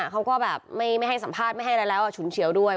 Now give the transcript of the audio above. เขาก็แบบไม่ให้สัมภาษณ์ไม่ให้อะไรแล้วฉุนเฉียวด้วย